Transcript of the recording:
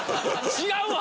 違うわ！